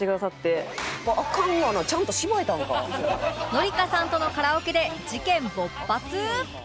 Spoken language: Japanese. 紀香さんとのカラオケで事件勃発！？